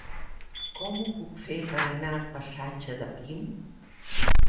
Com ho puc fer per anar al passatge de Prim?